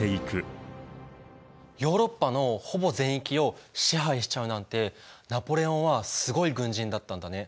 ヨーロッパのほぼ全域を支配しちゃうなんてナポレオンはすごい軍人だったんだね。